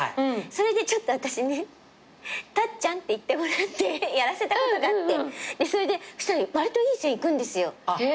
それでちょっと私ねタッちゃんって言ってもらってやらせたことがあって。それでそしたらわりといい線いくんですよ。